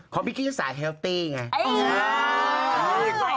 ก็พริกแสเธอลตี้ไง